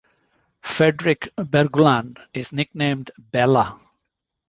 Fredrik Berglund is nicknamed Bella.